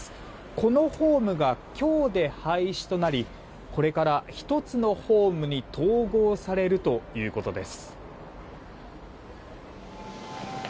このホームが今日で廃止となりこれから１つのホームに統合されるということです。